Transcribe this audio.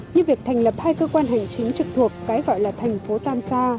như việc thành lập hai cơ quan hành chính trực thuộc cái gọi là thành phố tam sa